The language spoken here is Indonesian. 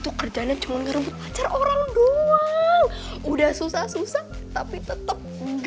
orang orang doang udah susah susah tapi tetep